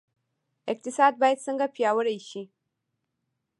اقتصاد باید څنګه پیاوړی شي؟